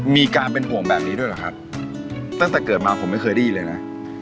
มีการเป็นห่วงแบบนี้ด้วยเหรอครับตั้งแต่เกิดมาผมไม่เคยได้ยินเลยนะ